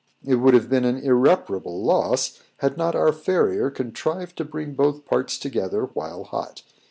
It would have been an irreparable loss, had not our farrier contrived to bring both parts together while hot.